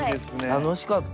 楽しかった。